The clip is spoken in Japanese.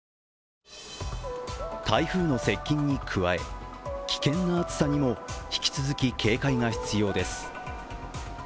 台風の接近に加え危険な暑さにも引き続き警戒が必要です。